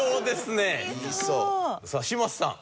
さあ嶋佐さん